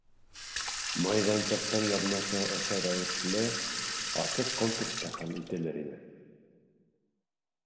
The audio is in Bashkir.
Майҙансыҡтың яҙмышы ошо рәүешле асыҡ конкурста хәл ителер ине.